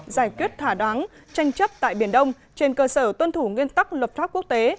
giải quyết thả đáng tranh chấp tại biển đông trên cơ sở tuân thủ nguyên tắc luật pháp quốc tế